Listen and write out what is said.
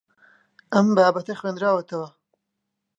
ئەم بابەتە خوێندراوەتەوە.